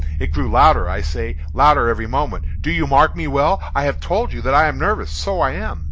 It grew louder, I say, louder every moment!—do you mark me well? I have told you that I am nervous: so I am.